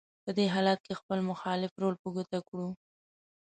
په دې حالت کې خپل مخالف رول په ګوته کړو: